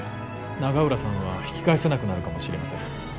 永浦さんは引き返せなくなるかもしれません。